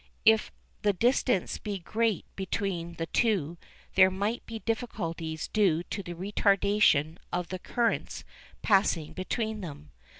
If the distance be great between the two there may be difficulties due to the "retardation" of the currents passing between them.